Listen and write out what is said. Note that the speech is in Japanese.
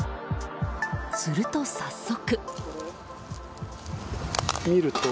すると早速。